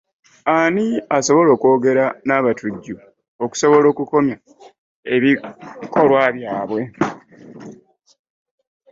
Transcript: Ani asobola okwogera n'abatujju okusobola okukomya ebikolwa byaabwe?